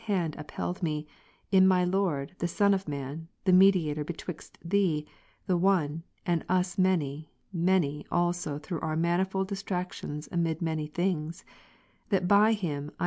hand upheld me, in my Lord the Son of man, the Mediator 2,5. hetwvjct Thee, The One, and us many, many" also through our manifold distractions amid many things, that by Him / Phil 3